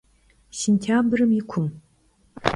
Sêntyabrım yi kum.